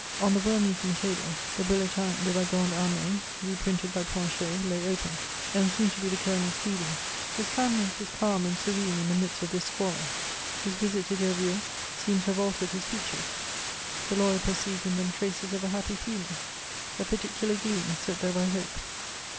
On the worm eaten table the Bulletins de la Grande Armee, reprinted by Plancher, lay open, and seemed to be the Colonel's reading; his countenance was calm and serene in the midst of this squalor. His visit to Derville seemed to have altered his features; the lawyer perceived in them traces of a happy feeling, a particular gleam set there by hope.